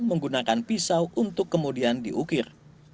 menggunakan pisau untuk kemudian diukir